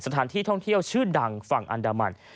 สถานที่ท่องเที่ยวชื่อดังฝั่งอันดามัน